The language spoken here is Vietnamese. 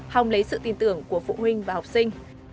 hòng lấy sự tin tưởng của phụ huynh và học sinh